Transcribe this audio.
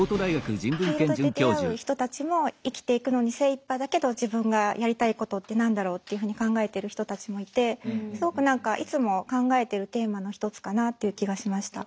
フィールドで出会う人たちも生きていくのに精いっぱいだけど自分がやりたいことって何だろうっていうふうに考えてる人たちもいてすごく何かいつも考えてるテーマの一つかなっていう気がしました。